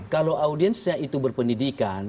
kalau audiensnya itu berpendidikan